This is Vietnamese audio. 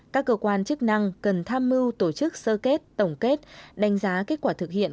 các cơ quan chức năng cần tham mưu tổ chức sơ kết tổng kết đánh giá kết quả thực hiện